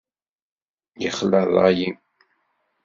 Ixla rray-im!